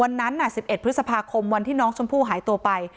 วันนั้นน่ะสิบเอ็ดพฤษภาคมวันที่น้องชมพู่หายตัวไป